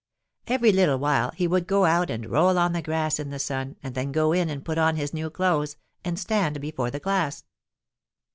Every little while he would go out and roll on the grass in the sun and then go in and put on his new clothes and stand before the glass.